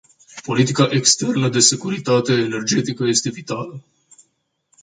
Politica externă de securitate energetică este vitală.